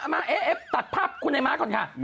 มาเอฟตัดภาพคุณไอ้ม้าก่อนค่ะ